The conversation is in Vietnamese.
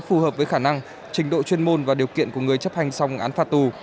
phù hợp với khả năng trình độ chuyên môn và điều kiện của người chấp hành xong án phạt tù